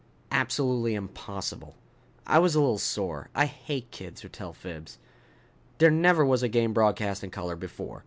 "Absolutely impossible." I was a little sore. I hate kids who tell fibs. "There never was a game broadcast in color before.